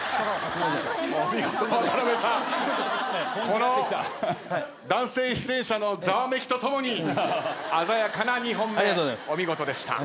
この男性出演者のざわめきとともに鮮やかな２本目お見事でした。